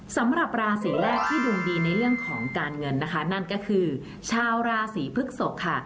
สำหรับราศีแรกที่ดวงดีในเรื่องของการเงินนะคะนั่นก็คือชาวราศีพฤกษกค่ะ